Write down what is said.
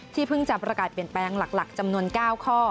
เพิ่งจะประกาศเปลี่ยนแปลงหลักจำนวน๙ข้อ